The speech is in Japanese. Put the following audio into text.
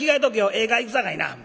ええか行くさかいな。